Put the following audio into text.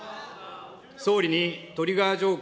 総理にトリガー条項